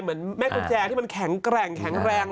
เหมือนแม่กุญแจที่มันแข็งแรง